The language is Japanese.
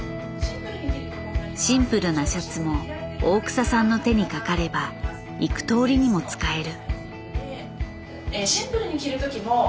シンプルなシャツも大草さんの手にかかれば幾とおりにも使える。